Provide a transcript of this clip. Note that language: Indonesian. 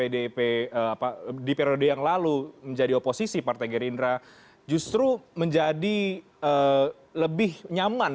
di periode yang lalu menjadi oposisi partai gerindra justru menjadi lebih nyaman